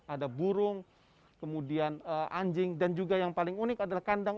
ada burung kemudian anjing dan juga yang paling unik adalah kandang